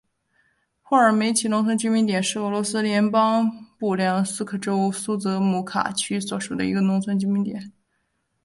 霍尔梅奇农村居民点是俄罗斯联邦布良斯克州苏泽姆卡区所属的一个农村居民点。